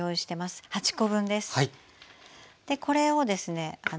これをですね